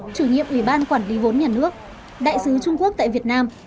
chủ nhiệm ủy ban quản lý vốn nhà nước đại sứ trung quốc tại việt nam